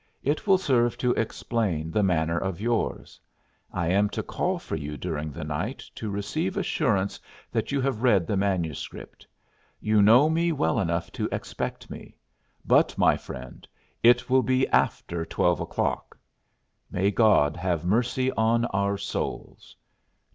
It will serve to explain the manner of yours. I am to call for you during the night to receive assurance that you have read the manuscript. You know me well enough to expect me. But, my friend, it will be after twelve o'clock. May God have mercy on our souls!